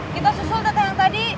kita susul data yang tadi